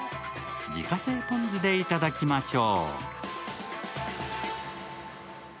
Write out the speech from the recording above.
自家製ポン酢でいただきましょう。